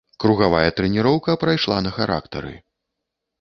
Кругавая трэніроўка прайшла на характары.